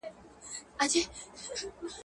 امیر نه سوای اورېدلای تش عرضونه.